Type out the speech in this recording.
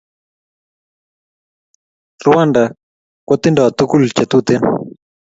Rwanda kotindo tukul che Tuten